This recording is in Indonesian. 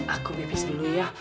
aku pipis dulu ya